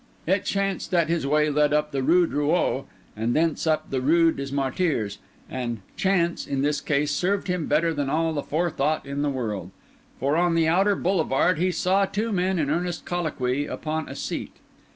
It chanced that his way lay up the Rue Drouot and thence up the Rue des Martyrs; and chance, in this case, served him better than all the forethought in the world. For on the outer boulevard he saw two men in earnest colloquy upon a seat.